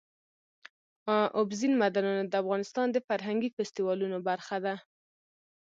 اوبزین معدنونه د افغانستان د فرهنګي فستیوالونو برخه ده.